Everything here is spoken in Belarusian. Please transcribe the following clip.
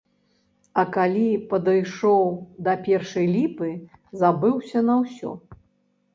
А калі падышоў да першай ліпы, забыўся на ўсё.